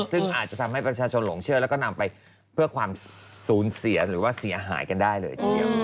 ซึ่งอาจจะทำให้ประชาชนหลงเชื่อแล้วก็นำไปเพื่อความสูญเสียหรือว่าเสียหายกันได้เลยทีเดียว